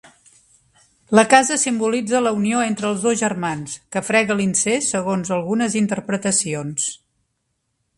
La casa simbolitza la unió entre els dos germans, que frega l'incest segons algunes interpretacions.